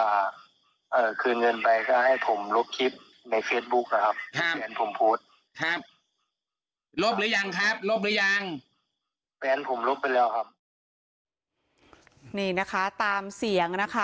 ลบหรือยังครับลบหรือยังแปลนผมลบไปแล้วครับนี่นะคะตามเสียงนะคะ